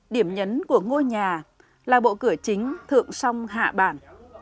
điểm nhấn của ngôi nhà là bộ cửa chính thượng song hạ bản